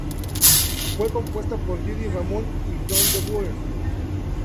Fue compuesta por Dee Dee Ramone y Jean Beauvoir.